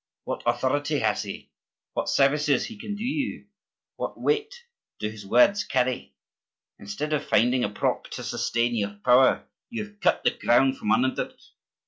What authority has he? What services can he do you? What weight do his words carry? Instead of finding a prop to sustain your power, you have cut the ground from under it.